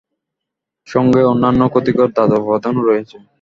সঙ্গে অন্যান্য ক্ষতিকর ধাতব উপাদানও রয়েছে।